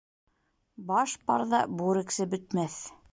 Баш барҙа бүрексе бөтмәҫ